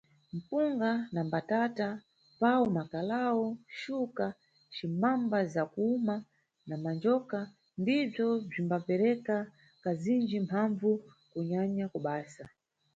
Mpunga, na mbatata, pau, makalau, xuka cimbamba zakuwuma na manjoka ndibzo bzimbapereka kazinji mphambvu kunyanya ku basa.